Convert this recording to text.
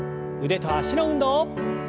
腕と脚の運動。